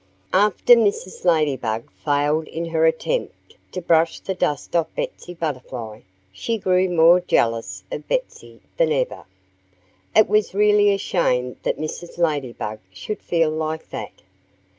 AFTER Mrs. Ladybug failed in her attempt to brush the dust off Betsy Butterfly she grew more jealous of Betsy than ever. It was really a shame that Mrs. Ladybug should feel like that.